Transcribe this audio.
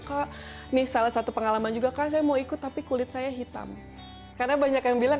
kok nih salah satu pengalaman juga kak saya mau ikut tapi kulit saya hitam karena banyak yang bilang